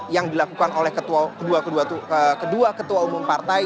yang dilakukan oleh kedua ketua umum partai